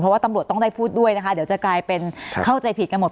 เพราะว่าตำรวจต้องได้พูดด้วยนะคะเดี๋ยวจะกลายเป็นเข้าใจผิดกันหมด